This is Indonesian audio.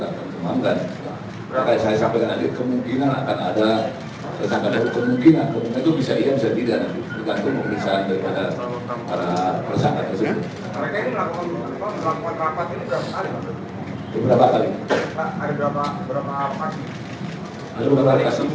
atau membantu kami mengenakan masyarakat masyarakat